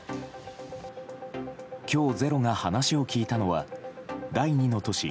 今日「ｚｅｒｏ」が話を聞いたのは第２の都市